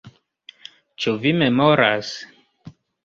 Ĉu vi memoras?